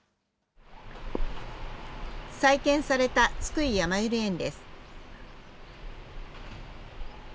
再建された津久井やまゆり園です。